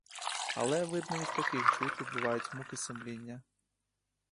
Але, видно, і в таких типів бувають муки сумління.